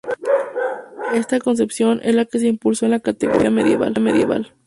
Esta concepción es la que se impuso en la cartografía europea medieval.